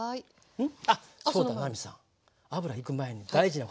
うん。